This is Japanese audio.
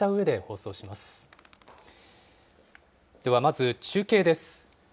ではまず中継です。